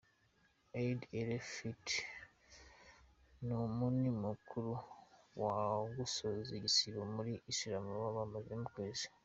Eid - El- Fitr, ni umuni mukuru wo gusoza igisibo muri Islam baba bamazemo ukwezi.